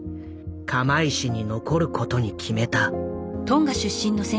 釜石に残ることに決めた。